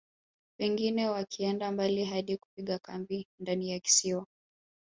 Wengine wakienda mbali hadi kupiga kambi ndani ya kisiwa